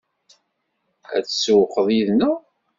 Ad tsewwqeḍ yid-neɣ?